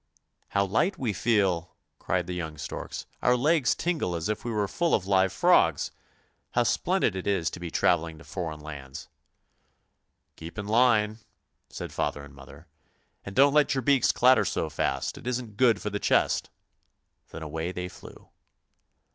" How light we feel," cried the young storks; " our legs tingle as if we were full of live frogs ! How splendid it is to be travelling to foreign lands." " Keep in line! " said father and mother, " and don't let your beaks clatter so fast, it isn't good for the chest." Then away they flew.